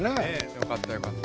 よかったよかった。